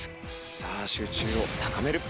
さあ集中を高める。